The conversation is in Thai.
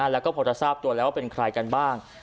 แล้วก็พอจะทราบตัวแล้วว่าเป็นใครกันบ้าง